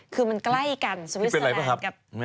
คือมันใกล้กันสวิสเตอร์แลนด์กับ